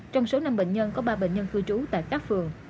trong số năm bệnh nhân có ba bệnh nhân cư trú tại các phường